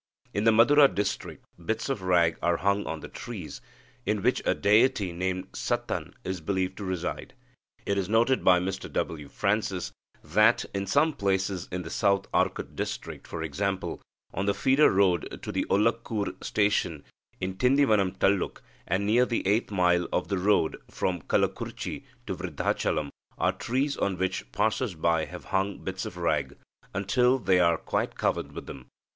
In the Madura district, bits of rag are hung on the trees in which a deity named Sattan is believed to reside. It is noted by Mr W. Francis that, "in some places in the South Arcot district, for example, on the feeder road to the Olakkur station in Tindivanam taluk and near the eighth mile of the road from Kallakurchi to Vriddhachalam, are trees on which passers by have hung bits of rag, until they are quite covered with them.